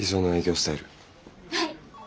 はい。